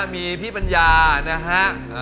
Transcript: มีพี่ปัญญานะฮะ